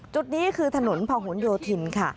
จุดนี้คือถนนพะหนโยธินค่ะ